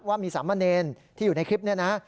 ว่ามีสามเณรที่อยู่ในคลิปนี้นะ